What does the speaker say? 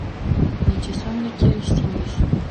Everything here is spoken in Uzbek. Necha so`mga kelishdingiz